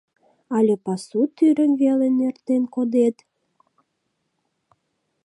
— Але пасу тӱрым веле нӧртен кодет?